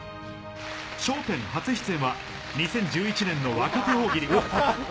笑点初出演は、２０１１年の若手大喜利。